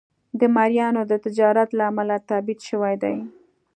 د مریانو د تجارت له امله تبعید شوی دی.